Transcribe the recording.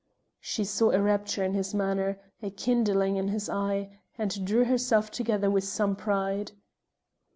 She saw a rapture in his manner, a kindling in his eye, and drew herself together with some pride.